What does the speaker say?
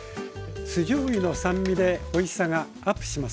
酢じょうゆの酸味でおいしさがアップします。